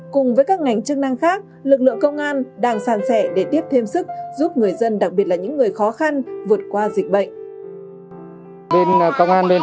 cùng với các ngành chức năng khác lực lượng công an đang sàn sẻ để tiếp thêm sức giúp người dân đặc biệt là những người khó khăn vượt qua dịch bệnh